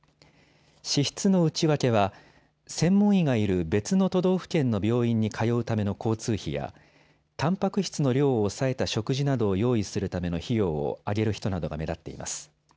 支出の内訳は専門医がいる別の都道府県の病院に通うための交通費やたんぱく質の量を抑えた食事などを用意するための費用を挙げる人などが目立っています。